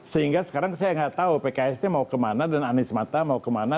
sehingga sekarang saya nggak tahu pks ini mau kemana dan anies mata mau kemana